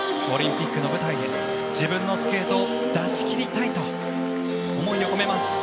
オリンピックの舞台で自分のスケートを出し切りたいと思いを込めます。